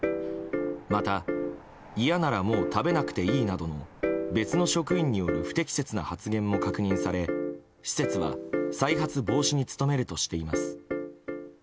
また、嫌ならもう食べなくていいなどの別の職員による不適切な発言も確認され施設は再発防止に努めるとしています。